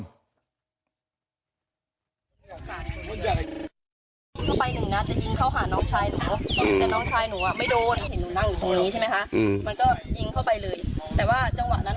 เข้าไปหนึ่งนะจะยิงเข้าหาน้องชายหนูแต่น้องชายหนูอ่ะไม่โดน